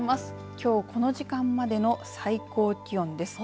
きょうこの時間までの最高気温です。